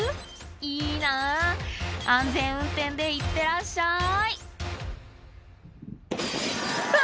いいなぁ安全運転でいってらっしゃいうわ！